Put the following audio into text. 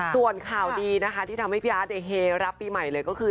ส่วนข่าวดีนะคะที่ทำให้พี่อาร์ตเฮรับปีใหม่เลยก็คือ